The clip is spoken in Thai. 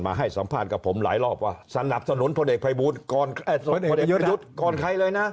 มาให้สัมภาษณ์กับผมหลายรอบว่าสนับสนุนพลเอกพยุทธก่อนใครเลยนะ